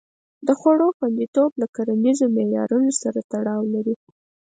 د خوړو خوندیتوب له کرنیزو معیارونو سره تړاو لري.